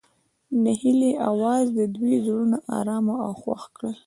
د هیلې اواز د دوی زړونه ارامه او خوښ کړل.